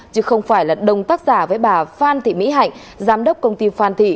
chứ không phải là đồng tác giả với bà phan thị mỹ hạnh giám đốc công ty phan thị